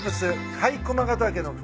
甲斐駒ヶ岳の麓